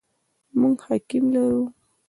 موږ حکیم لرو ؟